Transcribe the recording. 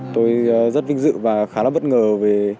tôi rất vinh dự và khá là bất ngờ về cái việc được sự hoàn thành của công dân